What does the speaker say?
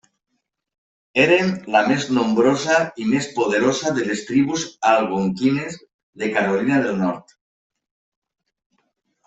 Eren la més nombrosa i més poderosa de les tribus algonquines de Carolina del Nord.